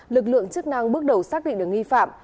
lực lượng chức năng bước đầu xác định được nghi phạm